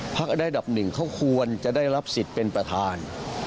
อันดับหนึ่งเขาควรจะได้รับสิทธิ์เป็นประธาน